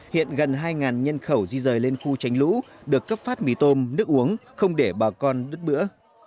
hiện gần hai nhân khẩu di rời lên khu tránh lũ được cấp phát mì tôm nước uống không để bà con đứt bữa